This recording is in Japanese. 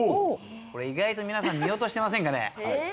これ意外と皆さん見落としてませんかね？